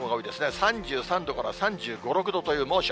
３３度から３５、６度という猛暑。